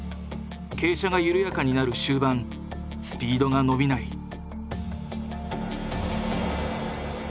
傾斜が緩やかになる終盤スピードが伸びない。